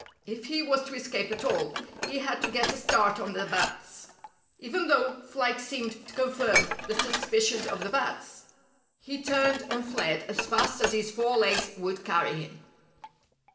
If he was to escape at all, he had to get a start on the bats. Even though flight seemed to confirm the suspicions of the Bats, he turned and fled as fast as his four legs would carry him.